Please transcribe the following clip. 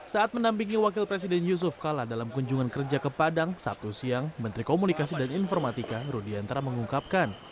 saat mendampingi wakil presiden yusuf kala dalam kunjungan kerja ke padang sabtu siang menteri komunikasi dan informatika rudiantara mengungkapkan